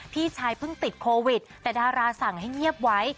พี่ชายเพิ่งติดโควิดแต่ดาราสั่งให้เงียบไว้